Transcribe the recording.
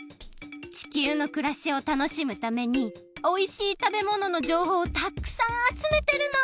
地球のくらしをたのしむためにおいしいたべもののじょうほうをたくさんあつめてるの！